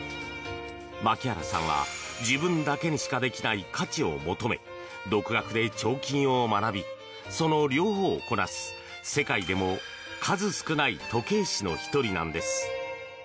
牧原さんは自分だけにしかできない価値を求め独学で彫金を学びその両方をこなす世界でも数少ない時計師の１人なんです。